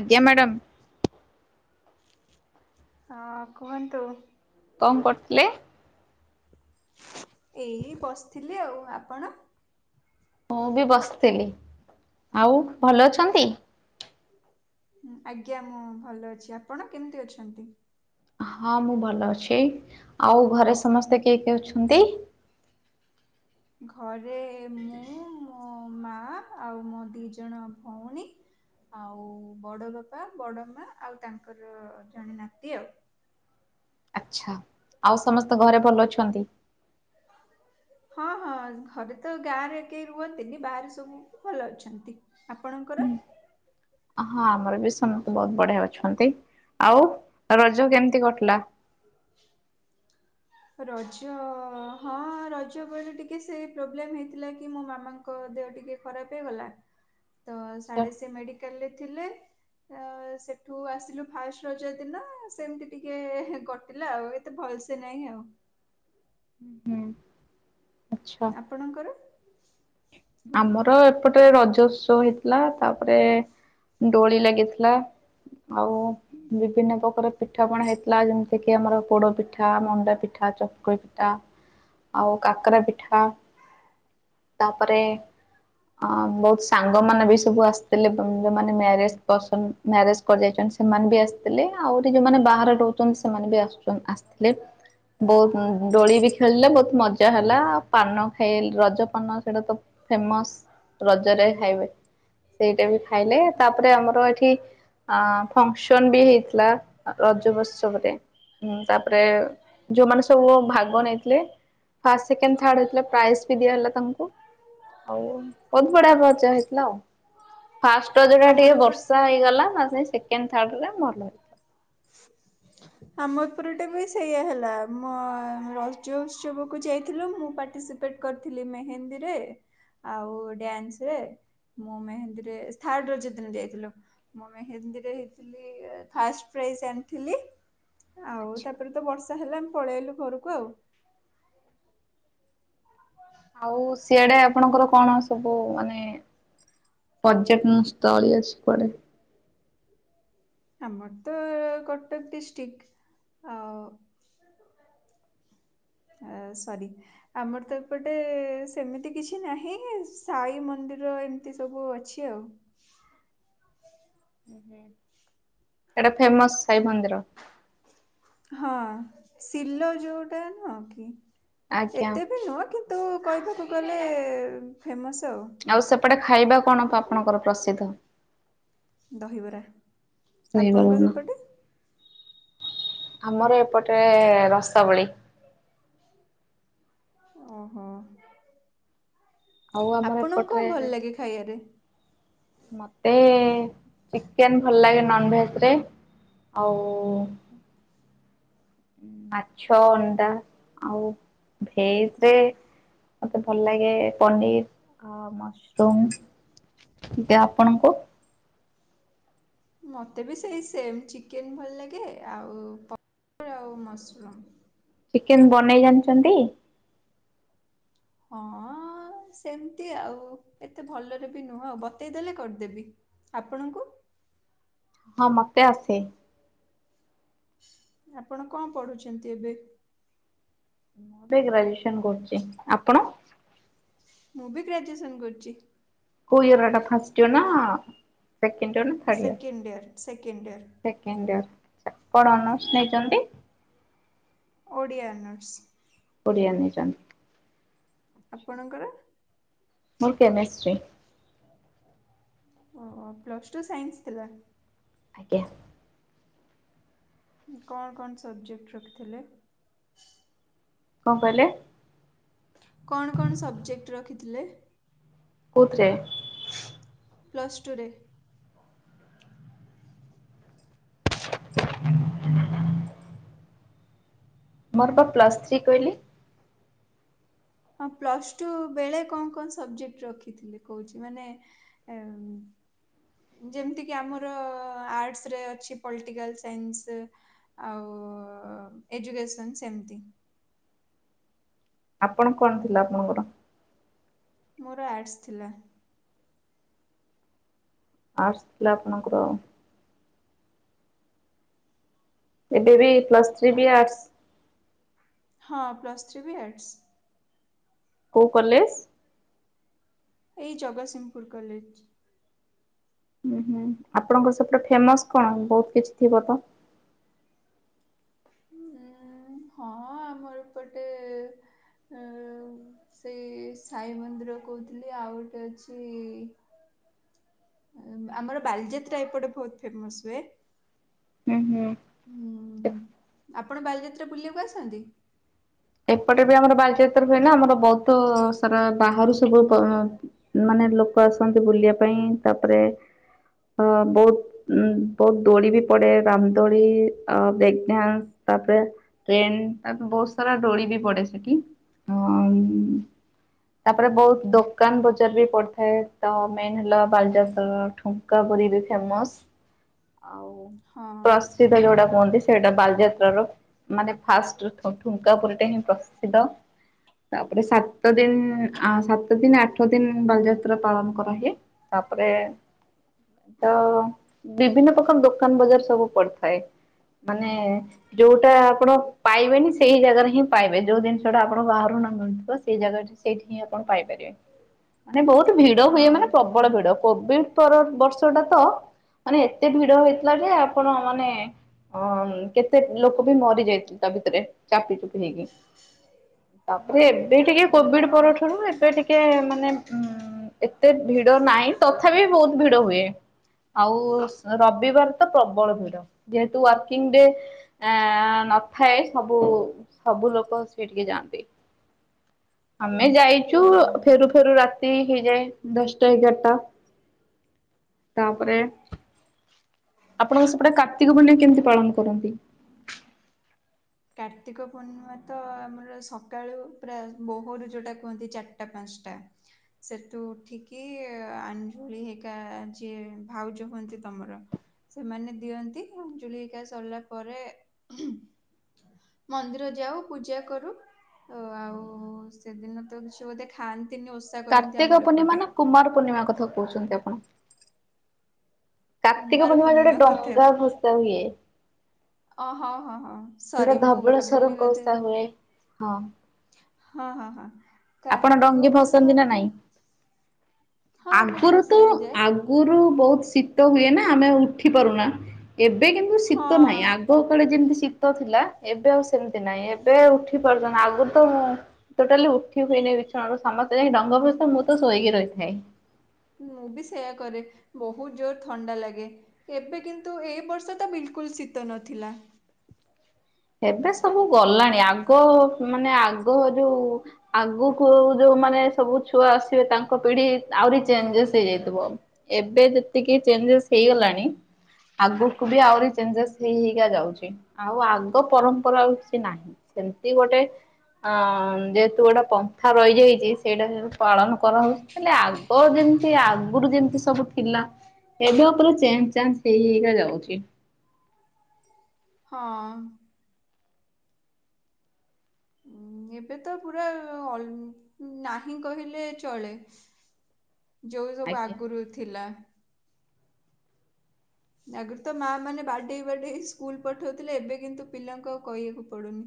ଆଜ୍ଞା ମ୍ୟାଡ଼ାମ। ହଁ କୁହନ୍ତୁ? କଣ କରୁଥିଲେ? ଏଇ ବସିଥିଲି ଆଉ ଆପଣ? ମୁଁ ବି ବସିଥିଲି। ଆଉ ଭଲ ଅଛନ୍ତି? ଆଜ୍ଞା ମୁଁ ଭଲ ଅଛି। ଆପଣ କେମିତି ଅଛନ୍ତି? ହଁ ମୁଁ ଭଲ ଅଛି। ଆଉ ଘରେ ସମସ୍ତେ କିଏ କିଏ ଅଛନ୍ତି? ଘରେ ମୁଁ ମୋ ମା ଆଉ ମୋ ଦି ଜଣ ଭଉଣୀ ଆଉ ବଡ ବାପା ବଡ ମା ଆଉ ତାଙ୍କର ଜଣେ ନାତି ଆଉ ଆଛା ଆଉ ସମସ୍ତେ ଘରେ ଭଲ ଅଛନ୍ତି? [inaudible] ହଁ ହଁ ଘରେ ତ ଗାଁରେ କେହି ରୁହନ୍ତିନି। ବାହାରେ ସବୁ ଭଲ ଅଛନ୍ତି। ଆପଣଙ୍କର? ହଁ ଆମର ବି ସମସ୍ତେ ବହୁତ ବଢିଆ ଅଛନ୍ତି। ଆଉ ରଜ କେମିତି କଟିଲା? [inaudible] ରଜ ହଁ ରଜବେଳେ ଟିକେ ସେଇ ପ୍ରୋବ୍ଲେମ ହେଇଥିଲା କି ମୋ ମାମାଙ୍କ ଦେହ ଟିକେ ଖରାପ ହେଇଗଲା। [inaudible] ତ ସାଢେ ସେ ମେଡିକାଲ ରେ ଥିଲେ। ସେଠୁ ଆସିଲୁ ଫାଷ୍ଟ ରଜ ଦିନ ସେମିତି ଟିକେ କଟିଲା ଆଉ ଏତେ ଭଲସେ ନାଇଁ ଆଉ ହୁଁ ଆଛା। ଆପଣଙ୍କର? ଆମର ଏପଟେ ରଜ ଉତ୍ସ ହେଇଥିଲା ତାପରେ ଦୋଳି ଲାଗିଥିଲା। ଆଉ ବିଭିନ୍ନ ପ୍ରକାର ପିଠାପଣା ହେଇଥିଲା। ଲା ଯେମିତି କିି ଆମର ପୋଡ ପିଠା, ମଣ୍ଡା ପିଠା, ଚକ ଆଉ କାକରା ପିଠା। [inaudible] ତାପରେ ଅ ବୋହୁତ୍ ସାଙ୍ଗମାନେ ବି ସବୁ ଆସିଥିଲେ। ଯୋଉମାନେ ମ୍ୟାରେଜ୍ ପସନ। ମ୍ୟାରେଜ୍ କରିଯାଇଛନ୍ତି ସେମାନେ ବି ଆସିଥିଲେ। ଆହୁରି ଯୋଉମାନେ ବାହାରେ ରହୁଛନ୍ତି ସେମାନେ ବି ଆସୁଛନ୍ତି। ଲେ। ବୋହୁତ୍ ଦୋଳି ବି ଖେଳିଲେ ବୋହୁତ୍ ମଜା ହେଲା। ପାନ ଖାଇ ରଜ ପାନ ସେଇଟା ତ ଫେମସ୍ ରଜରେ ଖାଇବେ। ସେଇଟା ବି ଖାଇଲେ। ତାପରେ ଆମର ଏଠି ଅ ଫଙ୍କସନ୍ ବି ହେଇଥିଲା ରଜ ଉତ୍ସବରେ। ହୁଁ ତାପରେ ଯୋଉମାନେ ସବୁ ଭାଗ ନେଇଥିଲେ ଫାଷ୍ଟ ସେକେଣ୍ଡ ଥାର୍ଡ ହେଇଥିଲା ପ୍ରାଇଜ୍ ବି ଦିଆଗଲା ତାଙ୍କୁ। ଆଉ ଅଭଡା ବଜା ହେଇଥିଲା ଆଉ। ଫାଷ୍ଟ ରୋଜଟା ଆମର ଟିକେ ଏପଟ ବର୍ଷା ହେଇଗଲା। ନ ହେଲେ ସେକେଣ୍ଡ, ଥାର୍ଡ ଟା ଭଲ ହେଲା। [inaudible] ଆମର ପୁର ଟା ବି ସେଇୟଆ ହେଲା। ମ ରଜ ଉତ୍ସବକୁ ଯାଇଥିଲୁ ମୁଁ ପାର୍ଟିସିପେ ଟ୍ କରିଥିଲି ମେହେନ୍ଦୀ ରେ। ଆଉ ଡାନ୍ସରେ, ମୁଁ ମେହେନ୍ଦୀରେ ଥାର୍ଡ ରଜ ଦିନ ଯାଇଥିଲୁ। ମୁଁ ମେହେନ୍ଦୀରେ ହେଇଥିଲି ଫାଷ୍ଟ। ପ୍ରାଇଜ୍ ଆଣିଥିଲି। ଆଉ ଆଚ୍ଛା ତାପରେ ତ ବର୍ଷା ହେଲା ଆମେ ପଳେଆଇଲୁ ଘରକୁ ଆଉ। ଆଉ ସିଆଡେ ଆପଣଙ୍କର କଣ ସବୁ ମାନେ ପର୍ଯ୍ୟଟନ ସ୍ଥଳୀ ଅଛି କୁଆଡେ। ଆମର ତ କଟକ ଡିଷ୍ଟ୍ରିକ୍ଟ ଆଉ ଅ ସରି। ଆମର ତ ଏପଟେ ସେମିତି କିଛି ନାହିଁ ସାଇ ମନ୍ଦିର ଏମିତି ସବୁ ଅଛି ଆଉ। ଏଇଟା ଫେମସ୍ ସାଇ ମନ୍ଦିର। ହଁ ଶିଲ ଯୋଉଟା ନୁହ, ଆଜ୍ଞା। ଏତେ ବି ନୁହଁ କି ତୁ କହିବାକୁ ଗଲେ ଫେମସ୍ ଆଉ। ଆଉ ସେପଟେ ଖାଇବା କଣ ଆପଣଙ୍କର ପ୍ରସିଦ୍ଧ? ଦହିବରା। ଆପଣଙ୍କ କହିପାରିବୁନା? ସେପଟେ? ଆମର ଏପଟେ ରସାବଳି। ଓହୋ। ଆଉ ଆମର ଆପଣଙ୍କୁ ଏପଟରେ କଣ ଭଲ ଲାଗେ ଖାଇବାରେ? ମୋତେ ଚିକେନ୍ ଭଲ ଲାଗେ ନନ୍ ଭେଜ୍ ରେ। ଆଉ ମାଛ ଅଣ୍ଡା। ଆଉ ଭେଜ୍ ରେ ମତେ ଭଲ ଲାଗେ ପନିର୍ ଆଉ ମସ୍ରୁମ୍। ଦି ଆପଣଙ୍କୁ? ମୋତେ ବି ସେଇ ସେମ୍, ଚିକେନ୍ ଭଲ ଲାଗେ। ଆଉ ପ ଆଉ ମସରୁମ୍। ଚିକେନ୍ ବନେଇ ଜାଣିଛନ୍ତି? ହଁ ହଁ ସେମିତି ଆଉ। ଏତେ ଭଲରେ ବି ନୁହଁ। ଆଉ ବତେଇଦେଲେ କରିଦେବି। ଆପଣଙ୍କୁ? ହଁ ମତେ ଆସେ। ଆପଣ କଣ ପଢୁଛନ୍ତି ଏବେ? ମୁଁ ଏବେ ଗ୍ରାଜୁଏସନ କରୁଛି ଆପଣ? ମୁଁ ବି ଗ୍ରାଜୁଏସନ କରୁଛି। କଉଇୟରଟା ଫାର୍ଷ୍ଟ ୟର୍ ନା second second year second year. Second year. ଆପଣଙ୍କ ଓଡ଼ିଆ ଅନର୍ସ। ଓଡ଼ିଆ ନେଇଛନ୍ତି। ଆପଣଙ୍କର? ମୋର କେମେଷ୍ଟ୍ରି। ଓ ପ୍ଲସ ଟୁ ସାଇନ୍ସ ଥିଲା। ଆଜ୍ଞା। କଣ କଣ ସବଜେକ୍ଟ ରଖିଥିଲେ? କଣ କହିଲେ? କଣ କଣ ସବଜେକ୍ଟ ରଖିଥିଲେ? କଉ ଥିରେ? ପ୍ଲସ୍ଟୁରେ? [inaudible] ମୋର ପା ପ୍ଲସ୍ ଥ୍ରୀ କହିଲି। ହଁ ପ୍ଲସ ଟୁ ବେଳେ କଣ କଣ ସବଜେକ୍ଟ ରଖିଥିଲେ କହୁଛି ମାନେ ଏମ ଯେମିତିକି ଆମର ଆର୍ଟସରେ ଅଛି ପଲିଟିକାଲ ସାଇନ୍ସ। ଆଉ ଏଜୁକେସନ୍ ସେମିତି। ଆପଣ କଣ ଥିଲା ଆପଣଙ୍କର? ମୋର ଆର୍ଟସ୍ ଥିଲା। ଆଡ୍ସ ଥିଲା ଆପଣଙ୍କର? ଏବେ ବି ପ୍ଲସ୍ ଥ୍ରୀ ବି ଆର୍ଟସ୍। ହଁ, ପ୍ଲସ୍ ଥ୍ରୀ ବି ଆର୍ଟସ୍। କୋଉ କଲେଜ? ଏଇ ଜଗସିଂହପୁରୁ କଲେଜ। ଉଁ ହୁଁ ଆପଣଙ୍କର ସେପଟେ ଫେମସ୍ କଣ ବହୁତ କିଛି ଥିବ ତ। ଉଁ। ହଁ, ଆମର ଏପଟେ ହଁ, ସେଇ ସାଇ ମନ୍ଦିର କହୁଥିଲି। ଆଉ ଗୋଟେ ଅଛି ଉଁ ଆମର ବାଲିଯାତ୍ରା ଏପଟେ ବହୁତ୍ ଫେମସ୍ ହୁଏ। ହୁଁ ହୁଁ। ହୁଁ ଆପଣ ବାଲିଯାତ୍ରା ବୁଲିବାକୁ ଆସନ୍ତି? ଏପଟେ ବି ଆମର ବାଲିଚାତ୍ରା ହୁଏ ନା। ଆମର ବହୁତ ସାରା ବାହାରୁ ସବୁ କଣ ମାନେ, ଲୋକ ଆସନ୍ତି ବୁଲିବା ପାଇଁ ତାପରେ, ଅ ବହୁତ ଉଁ, ବହୁତ ଦୋଳି ବି ପଡେ। ରାମଦୋଳି, ଅ ବ୍ରେକ୍ଡ଼୍ୟାନ୍ସ, ତାପରେ ଟ୍ରେନ, ତାପରେ ବହୁତ ସାରା ଦୋଳି ବି ପଡେ ସେଠି ହଁ। ତାପରେ, ବହୁତ ଦୋକାନ ବଜାର ବି ପଡିଥାଏ। ତ, ମେନ୍ ହେଲା ବାଲିଯାତ୍ରାର ଠୁ ଙ୍କାପୁରୀ ବି ଫେମସ୍ ଆଉ ହଁ ପ୍ରସିଦ୍ଧ ଯୋଉଟା କୁହନ୍ତି, ସେଇଟା ବାଲିଯାତ୍ର ର ମାନେ, ଫାଷ୍ଟ ଠୁ ଠୁଙ୍କାପୁରୀଟା ହିଁ ପ୍ରସିଦ୍ଧ। ତାପରେ, ସାତ ଦିନ ଆ ସାତ ଦିନ ଆଠ ଦିନ ବାଲିଯାତ୍ରା ପାଳନ କରା ହିଏ। ତାପରେ ତ ବିଭିନ୍ନ ପ୍ରକାର ଦୋକାନ ବଜାର ସବୁ ପଡିଥାଏ। ମାନେ-ଏଁ ଯୋଉଟା ଆପଣ ପାଇବେନି, ସେ ସେଇ ଜାଗାରେ ହିଁ ପାଇବେ। ଯୋଉ ଜିନିଷ ଟା ଆପଣ ବାହାରୁ ନ ମିଳୁଥିବ। ସେଇ ଜାଗାଠି, ସେଇଠି ହିଁ ଆପଣ ପାଇପାରିବେ। ମାନେ, ବହୁତ ଭିଡ ହୁଏ। ହଁ ମାନେ ପ୍ରବ୍ ବଡ଼ ଭିଡ। କୋଭିଡ଼ ପର ବର୍ଷ ଯଉଟା ତ, ମାନେ, ଏତେ ଭିଡ ହେଇଥିଲା ଯେ, ଆପଣ ମାନେ ହଁ, କେତେ ଲୋକ ବି ମରି ଯାଇଥି ତା ଭିତରେ, ଚାପି ଚୁପି ହେଇକି। ତା'ପରେ, ଏବେ ଟିକେ ଓ କୋଭିଡ଼ ପରଠାରୁ, ଏବେ ଟିକେ ଟେଁ, ମାନେ ଉଁ, ଏତେ ଭିଡ ନାଇଁ। ତଥାପି ବହୁତ ଭିଡ ହୁଏ। ଆଉ ରବିବାର ତ ପ୍ରବଳ ଭିଡ। ଯେହେତୁ, ୱାର୍କିଂ ଡେ ଏଁ -ଏଁ -ନଥାଏ ସବ୍ ବୁ, ସବୁ ଲୋକ ସେଇଠିକି ଯାଆନ୍ତି। ଆମେ ଯାଇଚୁ, ହୁଁ ଫେରୁ ଫେରୁ ରାତ୍ ତି ହେଇଯାଏ, ଦଶଟା-ଏଗାରଟା। ତା'ପରେ ଆପଣଙ୍କ ସେପଟେ, କାର୍ତ୍ତିକ ପୁନେଇଁ କେମିତି ପାଳନ କରନ୍ତି? କାର୍ତ୍ତିକ ପୂର୍ଣ୍ଣିମା ତ, ଆମର ସକାଳୁ ପ୍ରାୟ ବୋହରୁ ଯେଉଁଟା କୁହନ୍ତି, ଚାର୍ ଟା-ପାଞ୍ଚଟା ସେଠୁ ଉଠିକି ଆଞ୍ଜୁଳି ହେଇକା, ଯିଏ ଭାଉଜ ହୁଅନ୍ତି, ତମର। ସେମାନେ ଦିଅନ୍ତି, ଆଞ୍ଜୁଳି ହେଇକା ସର୍ ଲା ପରେ ମନ୍ଦିର ଯାଉ, ପୂଜା କରୁ। ଓ ଆଉ-ଉ ସେଦିନ ତ କିଛି ବୋଧେ ଖାଆନ୍ତିନି, ଓଷ୍ କାର୍ତ୍ତିକ ପୂର୍ଣ୍ଣିମା ନା, କୁମାର ପୂର୍ଣ୍ଣିମା କଥା କହୁଛନ୍ତି ଆପଣ? କାର୍ତ୍ତିକ କୁମାର ପୂର୍ଣ୍ଣିମା, ଯଉଟା ବୋଧେ ଡଙ୍ଗା ଭସା ହୁଏ। ଓ, ହଁ, ହଁ, ହଁ। ଯୋଉଟା ସରି ମୁଁ ଭାବିଲି ଧବଳେଶ୍ଵରଙ୍କ ବୋଧେ ଓଷା ହୁଏ ହଁ ହଁ, ହଁ, ହଁ। ଆପଣ କାର୍ତ୍ତିକ ଡଙ୍ଗି ଭସାନ୍ତି ପୂର୍ଣିମା ନା ତ, ନାଇଁ? ହଁ, ମୁଁ ଭସେଇବାକୁ ଯାଏ। ଗୁରୁ ବହୁତ ଶୀତ ହୁଏ ନା, ଆମେ ଉଠି ପାରୁନା। ଏବେ, କିନ୍ତୁ, ଶୀତ ନାହିଁ। ହଁ ଆଗ୍ କୋଉ କାଳେ ଯେମିତି ଶୀତ ଥିଲା, ଏବେ ଆଉ ସେମିତି ନାହିଁ। ଏବେ ଉଠି ପାରୁଛନ୍, ଆଗରୁ ତ ମୁଁ ଟୋଟାଲି ଉଠି ହୁଏନେଇ, ବିଛଣାରୁ। ସମସ୍ତେ ଯାଇ ଡଙ୍ଗା ଭଷା। ମୁଁ ତ ଶୋଇକି ରହିଥାଏ। ମୁଁ ବି ସେୟା କରେ, ବହୁତ ଜୋର ଥଣ୍ଡା ଲାଗେ। ଏବେ କିନ୍ତୁ, ଏଇ ବର୍ଷ ତ ବିଲକୁଲ୍ ଶୀତ ନଥିଲା। ଏବେ ସବୁ ଗଲାଣି, ଆଗ ମାନେ ଆଗ ଯୋଉ ଆଗକୁ ଯୋଉମାନେ ସବୁ ଛୁଆ ଆସିବେ, ତାଙ୍କ ପିଢି ଆହୁରି ଚେଞ୍ଜେସ୍ ହେଇଯାଇଥିବ। ଏବେ ଯେତିକି ଚେଞ୍ଜେସ୍ ହେଇଗଲାଣି ଆଗକୁ ବି ଆହୁରି ଚେଞ୍ଜେସ୍ ହେଇ ହେଇକା ଯାଉଚି ଆଉ ଆଗ୍ ଗ ପରମ୍ପରା ଆଉ କିଛି ନାହିଁ। ସେମିତି ଗୋଟେ ଆଁ-ଆ ଯେହେତୁ ଗୋଟେ ପନ୍ଥା ରହିଯାଇଛି, ସେଇଟା ସେ ପାଳନ କରାହଉଛି। ହେଲେ, ଆଗ ଯେମିତି ଆଗରୁ ଯେମିତି ସବୁ ଥିଲା? ଏବେ ଉପରେ ଚେଞ୍ଜ୍ ଚାଞ୍ଜ ହେଇ ହେଇ ହେଇକା ଯାଉଚି। ହଁ। ଉଁ, ଏବେ ତ ପୁରା ଅଲ୍ ନାହିଁ କହିଲେ, ଚଳେ। ଯୋଉ ସବୁ ଆଜ୍ଞା। ଆଗରୁ ଥିଲା। ଆଗରୁ ତ ମାଆ ମାନେ ବାଡ଼େଇ ବାଡ଼େଇ ସ୍କୁଲ ପଠଉଥିଲେ, ଏବେ କିନ୍ତୁ ପିଲାଙ୍କୁ ଆଉ କହିଆକୁ ପଡ଼ୁନି।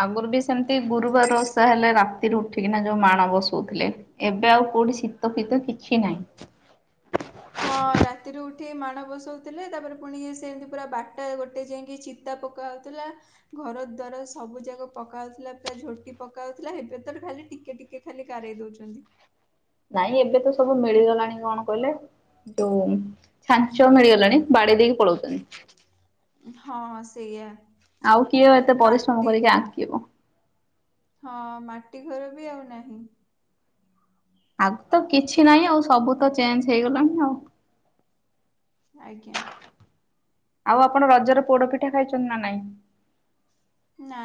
ଆଗରୁ ବି ସେମିତି ଗୁରୁବାର ଓଷା ହେଲେ, ରାତିରେ ଉଠିକିନା ଯୋଉ ମାଣ ବସଉଥିଲେ। ଏବେ ଆଉ କୋଉଠି ଶୀତ ଫୀତ କିଛି ନାହିଁ। ହଁ ରାତିରୁ ଉଠି ମାଣ ବସଉଥିଲେ ତାପରେ ପୁଣି ସେମିତି ପୁରା ବାରଟା ଗୋଟେ ଯାଇକି ଚି ଚିତା ପକାହଉଥିଲା। ଘର ଦ୍ୱାର ସବୁ ଯାକ ପକାହଉଥିଲା ପୁରା ଝୋଟି ପକାଉଥିଲା ଏବେ ତ ଖାଲି ଟିକେ ଟିକେ ଖାଲି ଗାରେଇ ଦଉଛନ୍ତି। ନାଇଁ ଏବେ ତ ସବୁ ମିଳିଗଲାଣି କଣ କହିଲେ? ଯୋଉ ଛାଞ୍ଚ ମିଳିଗଲାଣି ବାଡେଇ ଦେଇକି ପଳଉଛନ୍ତି। ହଁ ସେଇଆ। ଆଉ କିଏ ଏତେ ପରିଶ୍ରମ ମାଟି କରିକି ଆଙ୍କିବ? ହଁ ମାଟି ଘର ବି ଆଉ ନାହିଁ। ଆଗ ତ କିଛି ନାହିଁ ଆଉ ସବୁ ତ ଚେଞ୍ଜ ହେଇଗଲାଣି ଆଉ ଆଜ୍ଞା। ଆଉ ଆପଣ ରଜରେ ପୋଡ ପିଠା ଖାଇଛନ୍ତି ନା ନାଇଁ? ନା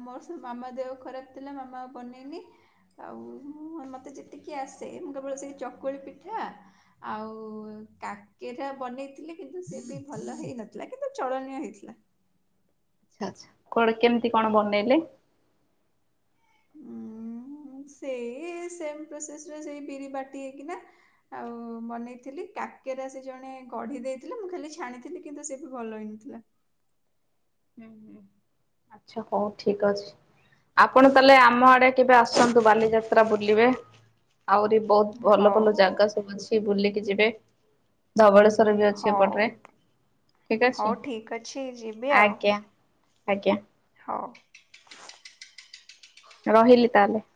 ମୋର ସବୁ ମାମା ଦେହ ଖରାପ ଥିଲା ମାମା ବନେଇନି। ଆଉ ମୋତେ ଯେତିକି ଆସେ ମୁଁ କେବଳ ସେଇ ଚକୁଳି ପିଠା ଆଉ କାକେରା ବନେଇଥିଲି କିନ୍ତୁ ସେ ବି ଭଲ ହେଇନଥିଲା କିନ୍ତୁ ଚଳନୀୟ ହେଇଥିଲା। ଆଛା କଣ କେମିତି କଣ ବନେଇଲେ? ହୁଁ ସେଇ ସେମ ପ୍ରୋସେସରେ ସେଇ ବିରି ବାଟି ହେଇକିନା। ଆଉ ବନେଇଥିଲି କାକେରା ସେ ଜଣେ ଗଢି ଦେଇଥିଲା ମୁଁ ଖାଲି ଛାଣିଥିଲି କିନ୍ତୁ ସେ ବି ଭଲ ହେଇନଥିଲା। ହୁଁ ହୁଁ ଆଛା ହଉ ଠିକ ଅଛି ଆପଣ ତାହେଲେ ଆମ ଆଡେ କେବେ ଆସନ୍ତୁ ବାଲିଯାତ୍ରା ବୁଲିବେ ଆହୁରି ବହୁତ ଭଲ ଭଲ ହଉ ଜାଗା ସବୁ ଅଛି। କି ବୁଲିକି ଯିବେ ଧବଳେଶ୍ୱର ବି ଅଛି ହଉ ଏପଟରେ। ଠିକ ଅଛି ହଉ ଠିକ୍ ଅଛି ଯିବି ଆଉ ଆଜ୍ଞା ଆଜ୍ଞା। ହଉ। ରହିଲି ତାହେଲେ।